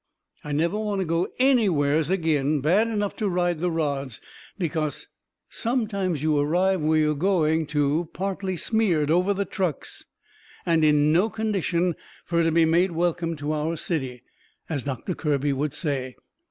I never want to go ANYWHERES agin bad enough to ride the rods. Because sometimes you arrive where you are going to partly smeared over the trucks and in no condition fur to be made welcome to our city, as Doctor Kirby would say.